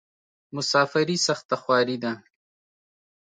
مسافري سخته خواری ده.